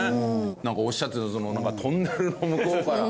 なんかおっしゃってたそのトンネルの向こうから。